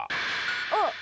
あっ。